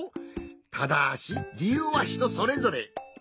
ただし理由はひとそれぞれ。